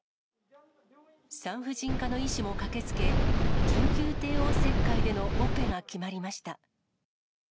産婦人科の医師も駆けつけ、緊急帝王切開でのオペが決まりました。